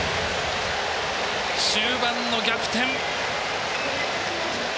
終盤の逆転。